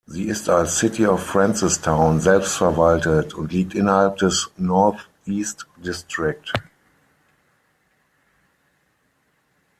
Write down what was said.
Sie ist als "City of Francistown" selbstverwaltet und liegt innerhalb des North East District.